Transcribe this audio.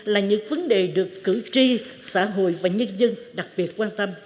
là những vấn đề được cử tri xã hội và nhân dân đặc biệt quan tâm